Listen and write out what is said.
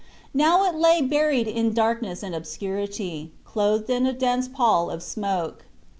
Now it lay buried in darkness and obscurity, clothed in a dense pall of smoke.